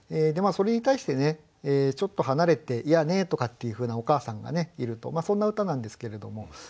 それに対してちょっと離れて「いやね」とかっていうふうなお母さんがいるとまあそんな歌なんですけれども。